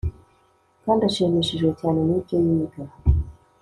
kandi ashimishijwe cyane n ibyo yiga